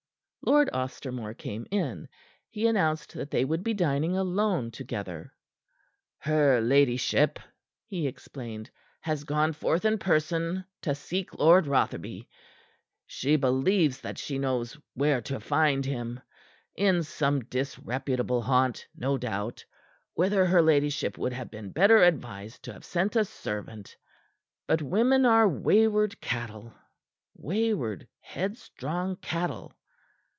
Lord Ostermore came in. He announced that they would be dining alone together. "Her ladyship," he explained, "has gone forth in person to seek Lord Rotherby. She believes that she knows where to find him in some disreputable haunt, no doubt, whither her ladyship would have been better advised to have sent a servant. But women are wayward cattle wayward, headstrong cattle!